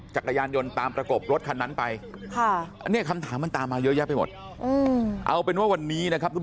จากรยานยนต์ตามประกบรถคันนั้นไป